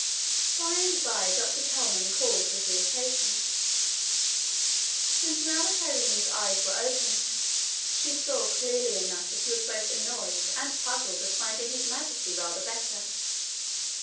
By and by Dr Kelman called to see his patient; and now that Irene's eyes were opened, she saw clearly enough that he was both annoyed and puzzled at finding His Majesty rather better.